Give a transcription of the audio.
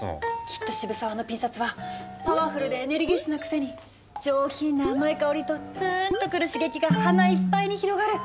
きっと渋沢のピン札はパワフルでエネルギッシュなくせに上品な甘い香りとつーんとくる刺激が鼻いっぱいに広がる。